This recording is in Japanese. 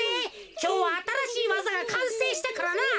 きょうはあたらしいわざがかんせいしたからな。